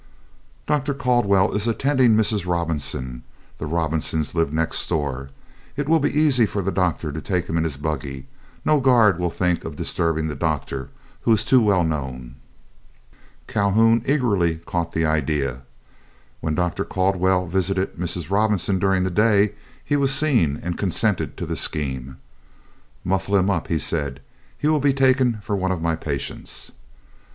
"Dr. Caldwell is attending Mrs. Robinson (the Robinsons lived next door); it will be easy for the doctor to take him in his buggy; no guard will think of disturbing the doctor, he is too well known." Calhoun eagerly caught at the idea. When Dr. Caldwell visited Mrs. Robinson during the day, he was seen, and consented to the scheme. "Muffle him up," he said, "he will be taken for one of my patients."